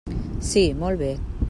Sí, molt bé.